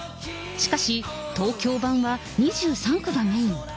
しかし、東京版は２３区がメイン。